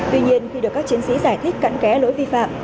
tuy nhiên khi được các chiến sĩ giải thích cận kẽ lỗi vi phạm